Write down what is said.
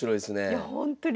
いやほんとに。